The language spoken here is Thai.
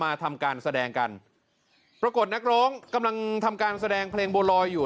ทำการแสดงกันปรากฏนักร้องกำลังทำการแสดงเพลงบัวลอยอยู่